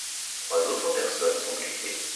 Trois autres personnes sont blessées.